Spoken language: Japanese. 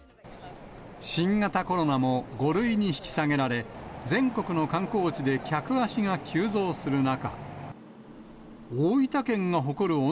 新型コロナも５類に引き下げられ、全国の観光地で客足が急増する中。